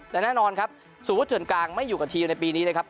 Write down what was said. แต่แน่นอนครับสมมุติเถื่อนกลางไม่อยู่กับทีมในปีนี้นะครับ